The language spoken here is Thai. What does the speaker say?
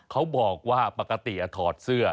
เขาบอกว่าปกติถอดเสื้อ